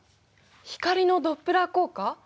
光のドップラー効果！？